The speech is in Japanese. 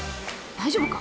大丈夫か？